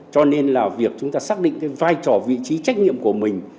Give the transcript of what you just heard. cho nên là việc chúng ta xác định cái vai trò vị trí trách nhiệm của mình